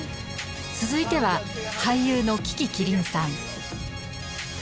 続いては俳優の樹木希林さん。